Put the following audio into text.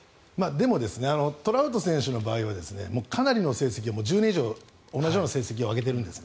でもトラウト選手の場合はかなりの成績を１０年以上同じような成績を挙げているんですね。